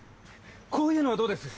こういうのはどうです？